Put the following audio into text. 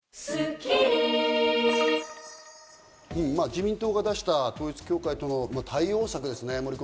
自民党が出した統一教会との対応策ですね。